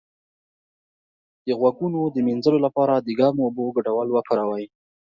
د غوږونو د مینځلو لپاره د ګرمو اوبو ګډول وکاروئ